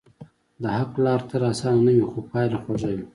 د حق لار تل آسانه نه وي، خو پایله خوږه وي.